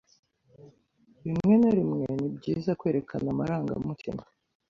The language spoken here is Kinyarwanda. Rimwe na rimwe ni byiza kwerekana amarangamutima.